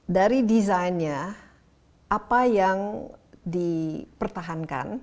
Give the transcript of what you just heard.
dari desainnya apa yang dipertahankan